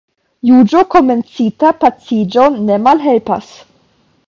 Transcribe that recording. Juĝo komencita paciĝon ne malhelpas.